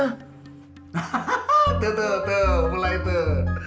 hahaha tuh tuh tuh mulai tuh